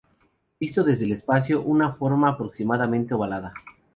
Visto desde el espacio, una forma aproximadamente ovalada.